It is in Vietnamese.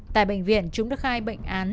tại bệnh viện chúng đã khai bệnh án